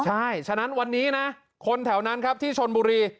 ใช่ฉะนั้นวันนี้นะคนแถวนั้นครับที่ชนบุรี